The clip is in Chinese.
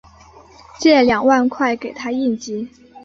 借两万块给她应急